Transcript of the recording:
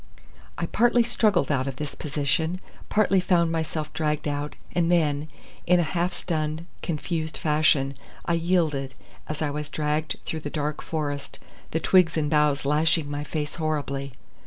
I partly struggled out of this position, partly found myself dragged out, and then, in a half stunned, confused fashion, I yielded, as I was dragged through the dark forest, the twigs and boughs lashing my face horribly.